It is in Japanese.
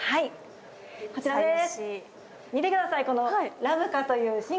こちらです！